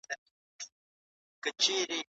د ښوونکو مسلکي وده د نویو نوښتونو لامل ګرځي.